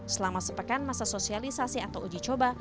selama sepekan masa sosialisasi atau uji coba